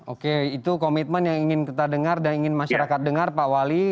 oke itu komitmen yang ingin kita dengar dan ingin masyarakat dengar pak wali